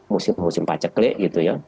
musim musim paceklik gitu ya